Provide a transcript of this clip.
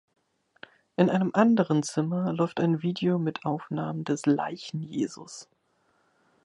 In einem anderen Zimmer läuft ein Video mit Aufnahmen des Leichen-Jesus.